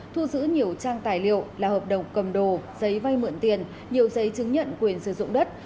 thu giữ nhiều trang tài liệu là hợp đồng cầm đồ giấy vay mượn tiền nhiều giấy chứng nhận quyền sử dụng đất